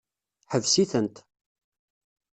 Ḥbes-itent.